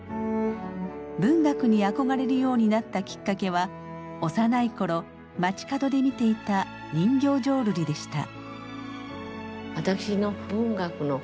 文学に憧れるようになったきっかけは幼い頃街角で見ていた人形浄瑠璃でした。